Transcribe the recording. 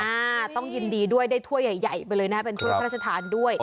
อ่าต้องยินดีด้วยได้ถ้วยใหญ่ไปเลยนะเป็นถ้วยพระราชทานด้วย